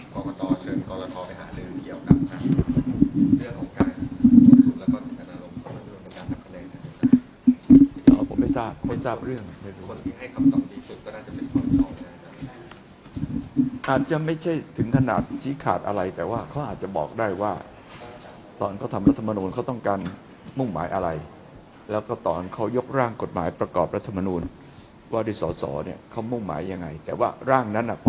พระเจ้าน่าเห็นขนาดนี้ถ้าพศเชิญกศมหาฤือเกี่ยวกับเรื่องของการประสุนและการสิทธิ์ขนาดนั้นหรือเป็นเรื่องของการทำแบบนั้นหรือเป็นเรื่องของการทำแบบนั้นหรือเป็นเรื่องของการทำแบบนั้นหรือเป็นเรื่องของการทำแบบนั้นหรือเป็นเรื่องของการทำแบบนั้นหรือเป็นเรื่องของการทำแบบนั้นหรือเป็นเรื่องของการทำแบ